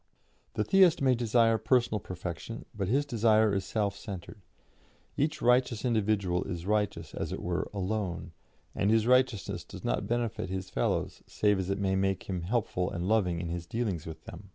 The Theist may desire personal perfection, but his desire is self centred; each righteous individual is righteous, as it were, alone, and his righteousness does not benefit his fellows save as it may make him helpful and loving in his dealings with them.